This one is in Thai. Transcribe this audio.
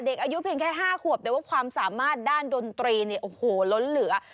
เด็กอายุเพียงแค่๕ขวบแต่ว่าความสามารถด้านดนตรีเนี่ยโอ้โหล้นเหลือ